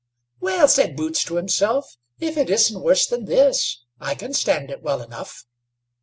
"Well," said Boots to himself, "if it isn't worse than this, I can stand it well enough."